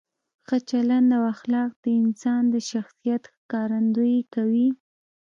ښه چلند او اخلاق د انسان د شخصیت ښکارندویي کوي.